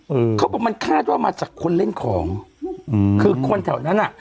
เขาบอกมันคาดว่ามาจากคนเล่นของอืมคือคนแถวนั้นอ่ะ